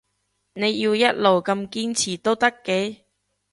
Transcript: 你要一路咁堅持都得嘅